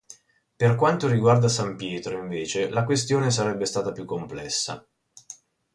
Per quanto riguarda San Pietro, invece, la questione sarebbe stata più complessa.